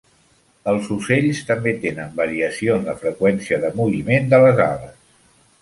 Els ocells també tenen variació en la freqüència de moviment de les ales.